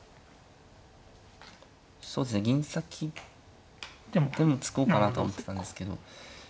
そうですね銀先でも突こうかなとは思ってたんですけど。